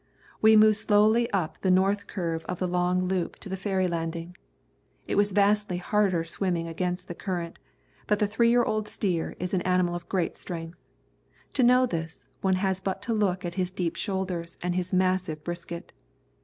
We moved slowly up the north curve of the long loop to the ferry landing. It was vastly harder swimming against the current, but the three year old steer is an animal of great strength. To know this, one has but to look at his deep shoulders and his massive brisket.